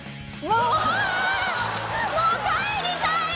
もう帰りたい！